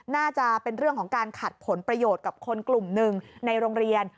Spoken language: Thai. น่าจะเป็นเรื่องของการขัดผลประโยชน์กับคนกลุ่มหนึ่งในโรงเรียน